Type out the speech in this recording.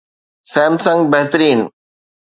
Samsung بهترين